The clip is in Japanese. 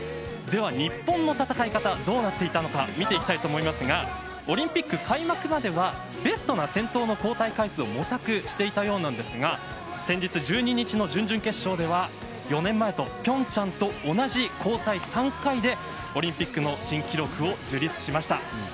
では日本の戦い方はどうなっていたのか見ていきたいと思いますがオリンピック開幕まではベストな先頭の交代回数を模索していたようなんですが先日１２日の準々決勝では４年前の平昌と同じ交代３回でオリンピックの新記録を樹立しました。